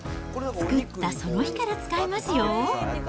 作ったその日から使えますよ。